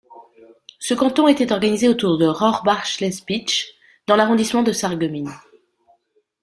Ce canton était organisé autour de Rohrbach-lès-Bitche dans l'arrondissement de Sarreguemines.